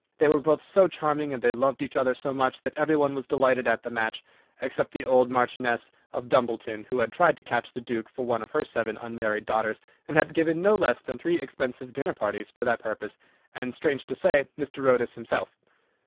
They were both so charming, and they loved each other so much, that every one was delighted at the match, except the old Marchioness of Dumbleton, who had tried to catch the Duke for one of her seven unmarried daughters, and had given no less than three expensive dinner parties for that purpose, and, strange to say, Mr. Otis himself.